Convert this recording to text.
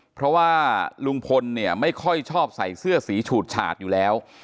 เพราะว่าลุงพลเนี่ยไม่ค่อยชอบใส่เสื้อสีฉูดฉาดอยู่แล้ว